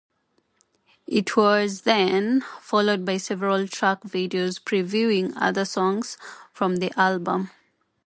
It was then followed by several track videos previewing other songs from the album.